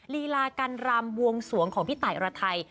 ลีลาการรำบวงสวงของพี่ตายอรไทย